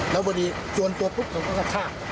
แล้วบางทีชวนตัวทุกเขาก็กระชาก